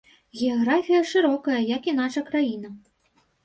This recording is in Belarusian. Геаграфія шырокая, як і наша краіна.